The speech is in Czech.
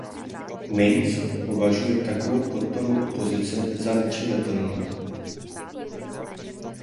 Minsk považuje takovou podporu opozice za nepřijatelnou.